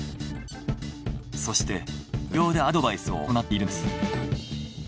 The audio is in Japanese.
そして無料でアドバイスを行っているのです。